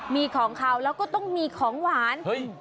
มีของขาวมีของหวาน